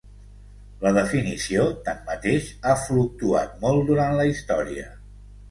La definició, tanmateix, ha fluctuat molt durant la història.